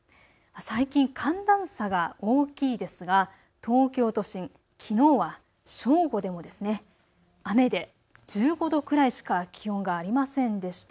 最近、寒暖差が大きいですが東京都心、きのうは正午でも雨で１５度くらいしか気温がありませんでした。